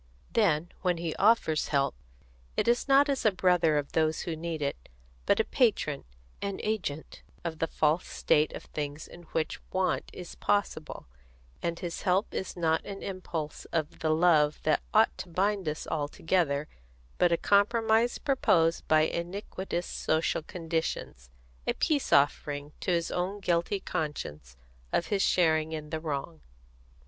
Then when he offers help, it is not as a brother of those who need it, but a patron, an agent of the false state of things in which want is possible; and his help is not an impulse of the love that ought to bind us all together, but a compromise proposed by iniquitous social conditions, a peace offering to his own guilty consciousness of his share in the wrong."